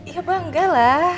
ya bangga lah